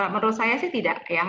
menurut saya sih tidak ya